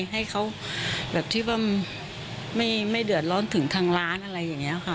ให้เขาแบบที่ว่าไม่เดือดร้อนถึงทางร้านอะไรอย่างนี้ค่ะ